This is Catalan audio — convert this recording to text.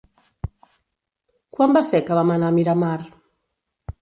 Quan va ser que vam anar a Miramar?